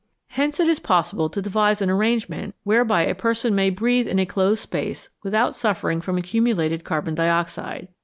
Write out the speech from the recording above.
Hence it is possible to devise an arrangement whereby a person may breathe in a closed space without suffering from accumulated carbon dioxide.